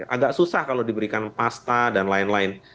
agak susah kalau diberikan pasta dan lain lain